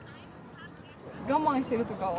我慢してるとかは。